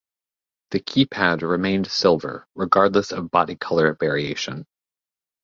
The keypad remained silver regardless of body color variation.